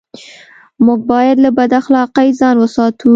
موږ بايد له بد اخلاقۍ ځان و ساتو.